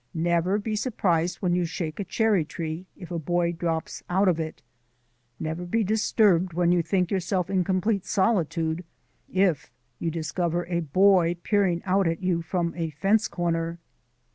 Never be surprised when you shake a cherry tree if a boy drops out of it; never be disturbed when you think yourself in complete solitude if you discover a boy peering out at you from a fence corner.